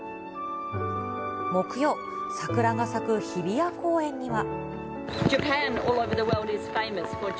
木曜、桜が咲く日比谷公園には。